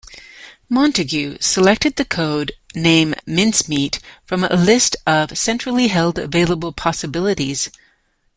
Montagu selected the code name Mincemeat from a list of centrally held available possibilities.